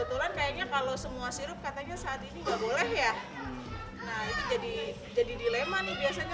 nah itu jadi dilema nih biasanya kalau ibu ibu ya kan